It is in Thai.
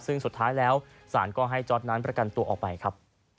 ซึ่งสุดท้ายแล้วศาลก็ให้จ๊อตนั้นประกันตัวออกไปครับ